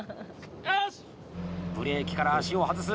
ブレーキから足を外す。